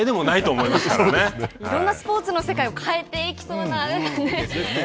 いろんなスポーツの世界を変えていきそうな。